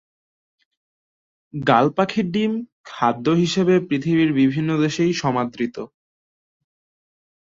গাল পাখির ডিম খাদ্য হিসেবে পৃথিবীর বিভিন্ন দেশেই সমাদৃত।